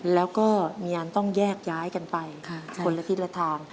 แล้วก็มีอันต้องแยกย้ายกันไปคนละทิศละทาง